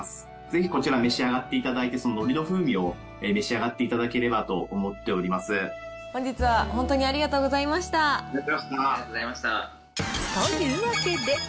ぜひこちら召し上がっていただいて、そののりの風味を召し上がっていただければと思っております。